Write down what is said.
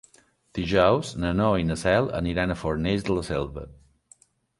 Dijous na Noa i na Cel aniran a Fornells de la Selva.